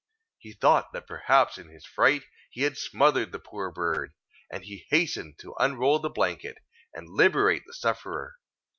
He thought that perhaps in his fright he had smothered the poor bird, and he hastened to unrol the blanket, and liberate the sufferer.